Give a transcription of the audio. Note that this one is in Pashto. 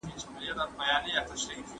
ځينې جملې ښايي تېروتنې ولري.